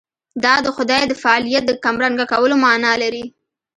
دا د خدای د فاعلیت د کمرنګه کولو معنا لري.